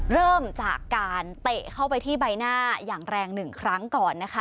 เริ่มจากการเตะเข้าไปที่ใบหน้าอย่างแรงหนึ่งครั้งก่อนนะคะ